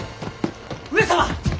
上様！